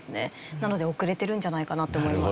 なので遅れてるんじゃないかなと思います。